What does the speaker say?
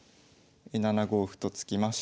７五歩と突きまして。